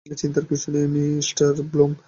চিন্তার কিছু নেই, মিঃ ব্লুম।